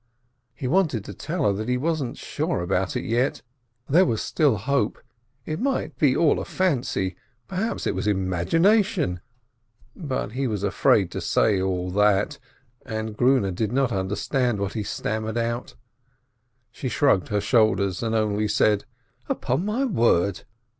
He wanted to tell her that he wasn't sure about it yet, there was still hope, it might be all a fancy, perhaps it was imagination, but he was afraid to say all that, and Grune did not understand what he stammered out. She shrugged her shoulders, and only said, "Upon my word